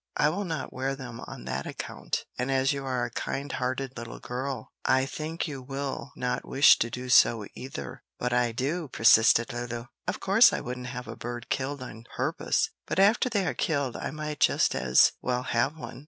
"I will not wear them on that account, and as you are a kind hearted little girl, I think you will not wish to do so either." "But I do," persisted Lulu. "Of course I wouldn't have a bird killed on purpose, but after they are killed I might just as well have one."